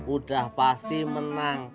udah pasti menang